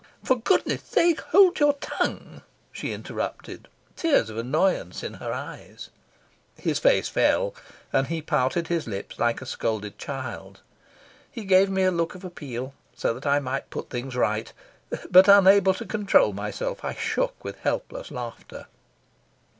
"For goodness sake, hold your tongue," she interrupted, tears of annoyance in her eyes. His face fell, and he pouted his lips like a scolded child. He gave me a look of appeal, so that I might put things right, but, unable to control myself, I shook with helpless laughter.